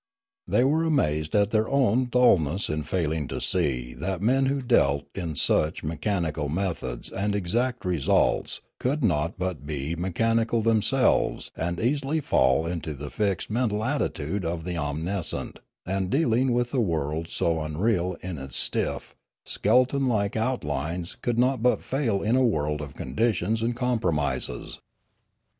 They were amazed at their own dul ness in failing to see that men who dealt in such me chanical methods and exact results could not but be mechanical themselves and easily fall into the fixed mental attitude of the omniscient, and dealing with a My Education Continued 273 world so unreal in its stiff, skeleton like outlines could not but fail in a world of conditions and compromises.